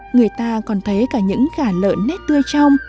người ta còn thấy cả những gà lợn nét tươi trong